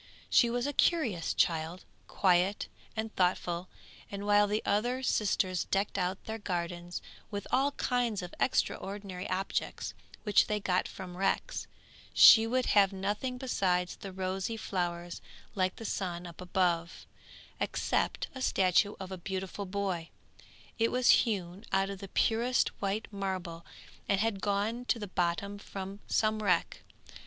She was a curious child, quiet and thoughtful, and while the other sisters decked out their gardens with all kinds of extraordinary objects which they got from wrecks, she would have nothing besides the rosy flowers like the sun up above, except a statue of a beautiful boy. It was hewn out of the purest white marble and had gone to the bottom from some wreck.